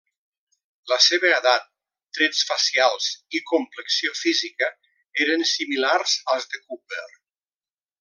La seva edat, trets facials i complexió física eren similars als de Cooper.